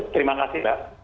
terima kasih mbak